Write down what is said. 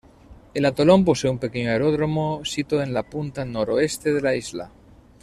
El atolón posee un pequeño aeródromo sito en la punta noroeste de la isla.